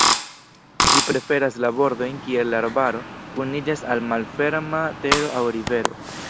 Ĝi preferas la bordojn kie la arbaro kuniĝas al malferma tero aŭ rivero.